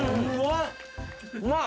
うまい！